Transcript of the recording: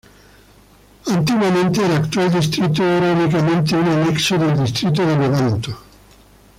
Antiguamente, el actual distrito era únicamente un anexo del distrito de Levanto.